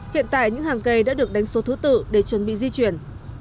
hiện tại những hàng cây đã được đánh số thứ tự để chuẩn bị di chuyển